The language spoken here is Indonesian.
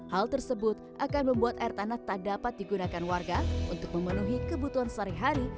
hal tersebut akan membuat air tanah tak dapat digunakan warga untuk memenuhi kebutuhan sehari hari